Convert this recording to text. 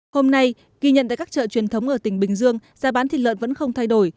hôm nay ghi nhận tại các chợ truyền thống ở tỉnh bình dương giá bán thịt lợn vẫn không thay đổi